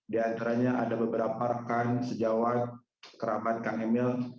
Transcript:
diantaranya ada beberapa rekan sejauh kerabat kang emil